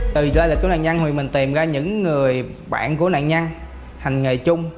từ lịch của nạn nhân thì mình tìm ra những người bạn của nạn nhân hành nghề chung